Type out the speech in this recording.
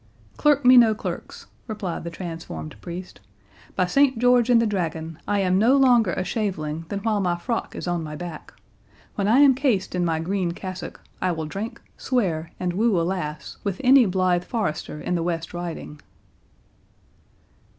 "Clerk me no Clerks," replied the transformed priest; "by Saint George and the Dragon, I am no longer a shaveling than while my frock is on my back—When I am cased in my green cassock, I will drink, swear, and woo a lass, with any blithe forester in the West Riding."